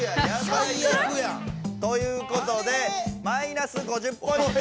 最悪やん。ということでマイナス５０ポイント！